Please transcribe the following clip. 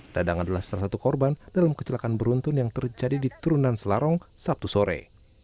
dadang adalah salah satu korban dalam kecelakaan beruntun yang terjadi di turunan selarong sabtu sore